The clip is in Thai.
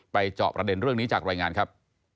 ไปจอกประเด็นนี้จากรายงานครับ